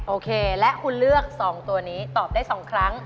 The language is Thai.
โอเคและคุณเลือก๒ตัวนี้ตอบได้๒ครั้ง